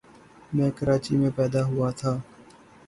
میں کراچی میں پیدا ہوا تھا۔